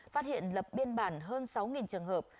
phát hiện lập biên bản hơn sáu trường hợp